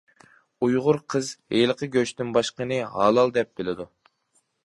ئۇيغۇر قىز ھېلىقى گۆشتىن باشقىنى ھالال دەپ بىلىدۇ.